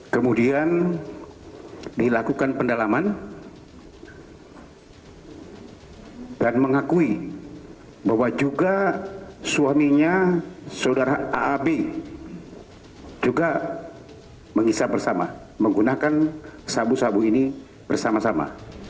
kemudian dilakukan pendalaman dan mengakui bahwa juga suaminya saudara aab juga mengisap bersama menggunakan sabu sabu ini bersama sama